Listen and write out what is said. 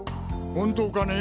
本当かね？